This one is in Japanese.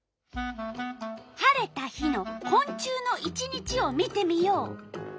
晴れた日のこん虫の１日を見てみよう。